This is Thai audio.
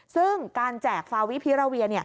ซึ่งการแจกฟาวิพิราเวีย